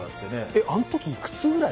あのときいくつぐらい？